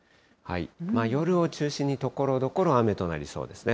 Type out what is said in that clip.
夜を中心にところどころ雨となりそうですね。